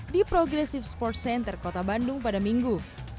di progresif sports center kota bandung pada minggu